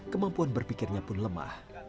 kemampuan berpikirnya pun lemah